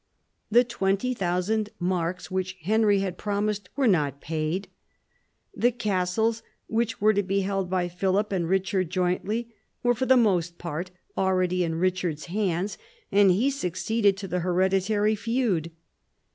The twenty thousand marks which Henry had promised were no I paid, the castles which were to be held by Philip and Richard jointly were for the most part already in Richard's hands, and he succeeded to the hereditary feud.